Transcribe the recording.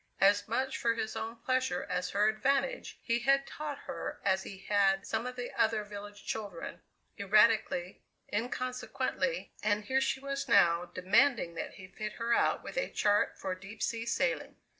As much for his own pleasure as her advantage he had taught her as he had some of the other village children, erratically, inconsequently, and here she was now demanding that he fit her out with a chart for deep sea sailing.